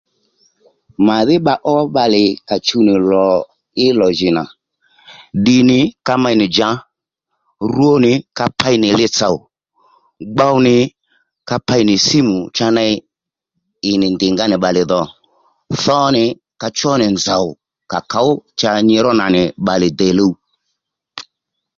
Màdho bba ó bbalè kà chuw nì lò í lò jì nà ddi nì ka mey nì djǎ rwo nì ka pey nì li tsòw gbow nì ka pey nì símu cha ney ì nì ndì nga ó nì bbalè dho tho nì ka chó nì nzòw kà kǒw cha nyi ró nà nì bbalè dè luw